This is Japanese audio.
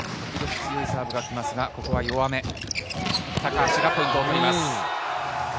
強いサービスが来ますがここは弱めた高橋がポイントを取ります。